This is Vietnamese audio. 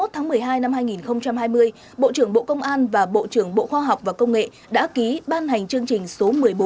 hai mươi tháng một mươi hai năm hai nghìn hai mươi bộ trưởng bộ công an và bộ trưởng bộ khoa học và công nghệ đã ký ban hành chương trình số một mươi bốn